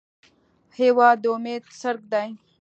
هېواد د امید څرک دی.